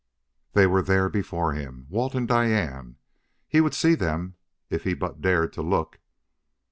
They were there before him, Walt and Diane; he would see them if he but dared to look.